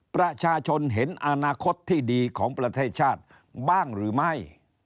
ประชาชนเห็นอนาคตที่ดีของประเทศชาติบ้างหรือไม่